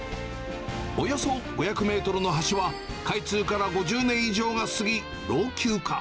およそ５００メートルの橋は、開通から５０年以上が過ぎ、老朽化。